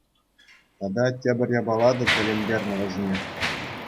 Тата тепӗр япала та тӗлӗнтернӗ вӗсене.